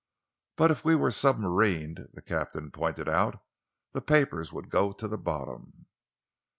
"But if we were submarined," the captain pointed out, "the papers would go to the bottom."